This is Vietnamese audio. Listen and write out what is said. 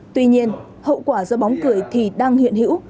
tuy nhiên hậu quả do bóng cười thì đang hiện hữu